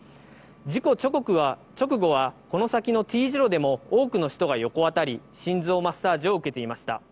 事故直後は、この先のＴ字路でも多くの人が横たわり、心臓マッサージを受けていました。